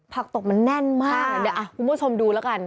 ผักตบมันแน่นมากคุณผู้ชมดูแล้วกัน